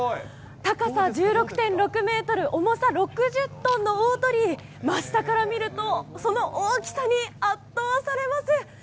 高さ１６．６メートル、重さ６０トンの大鳥居、真下から見ると、その大きさに圧倒されます。